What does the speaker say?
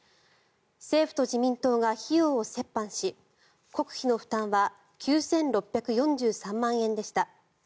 政府と自民党が費用を折半し国費の負担は９６４３万円でした。